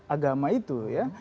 agama itu ya